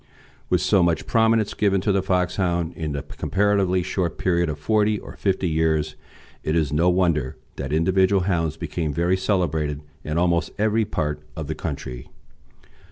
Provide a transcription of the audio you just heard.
With so much prominence given to the Foxhound in the comparatively short period of forty or fifty years, it is no wonder that individual hounds became very celebrated in almost every part of the country.